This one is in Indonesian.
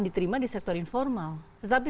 diterima di sektor informal tetapi